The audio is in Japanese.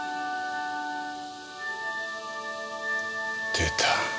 出た。